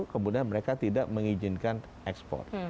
kemudian mereka tidak mengizinkan ekspor